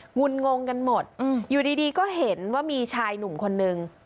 ุนงงกันหมดอยู่ดีก็เห็นว่ามีชายหนุ่มคนนึง